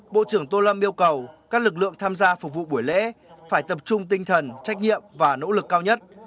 bộ trưởng tô lâm yêu cầu các lực lượng tham gia phục vụ buổi lễ phải tập trung tinh thần trách nhiệm và nỗ lực cao nhất